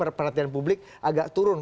jadi perhatian publik agak turun